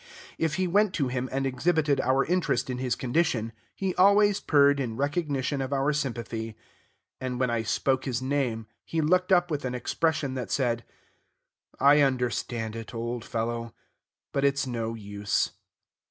If we went to him and exhibited our interest in his condition, he always purred in recognition of our sympathy. And when I spoke his name, he looked up with an expression that said, "I understand it, old fellow, but it's no use."